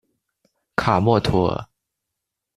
卡默图尔。